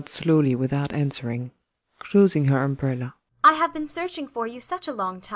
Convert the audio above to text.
[Nods slowly without answering.] ASTA. [Closing her umbrella.] I have been searching for you such a long time.